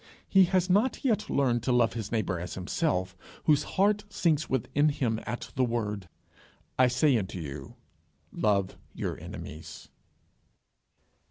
He has not yet learned to love his neighbour as himself whose heart sinks within him at the word, I say unto you, Love your enemies.